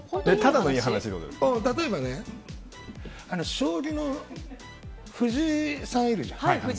例えばね将棋の藤井さんいるじゃん。